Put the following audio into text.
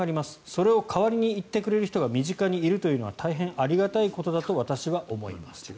それを代わりに言ってくれる人が身近にいるというのは大変ありがたいことだと私は思います。